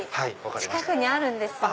近くにあるんですよね。